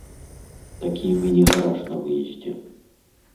Такі міні-гараж на выездзе.